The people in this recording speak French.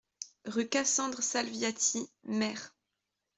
Rue Cassandre Salviati, Mer